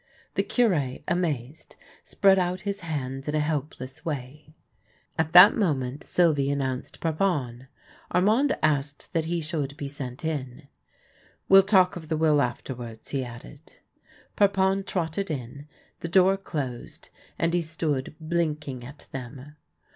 The Cure, amazed, spread out his hands in a helpless way. At that moment Sylvie announced Parpon. Armand asked that he should be sent in. " We'll talk of the will afterwards," he added. Parpon trotted in, the door closed, and he stood blinking at them.